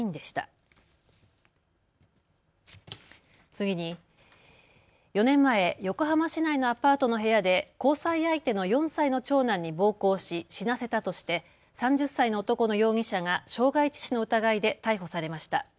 次に、４年前、横浜市内のアパートの部屋で交際相手の４歳の長男に暴行し、死なせたとして３０歳の男の容疑者が傷害致死の疑いで逮捕されました。